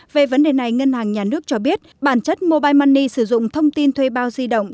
về vấn đề này ngân hàng nhà nước cho biết bản chất mobile money sử dụng thông tin thuê bao di động